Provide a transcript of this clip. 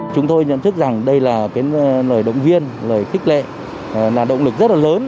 chúng tôi nhận thức rằng đây là lời động viên lời thích lệ là động lực rất là lớn